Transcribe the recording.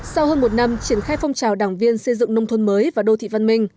sau hơn một năm triển khai phong trào đảng viên xây dựng nông thôn mới và đô thị văn minh